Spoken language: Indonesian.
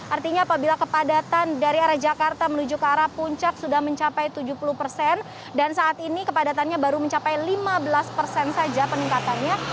artinya apabila kepadatan dari arah jakarta menuju ke arah puncak sudah mencapai tujuh puluh persen dan saat ini kepadatannya baru mencapai lima belas persen saja peningkatannya